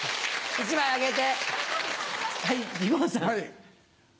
１枚あげて。